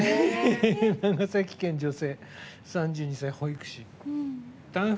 長崎県、女性、３２歳、保育士。